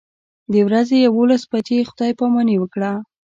د ورځې یوولس بجې خدای پاماني وکړه.